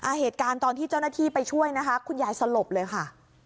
เหตุการณ์ตอนที่เจ้าหน้าที่ไปช่วยนะคะคุณยายสลบเลยค่ะ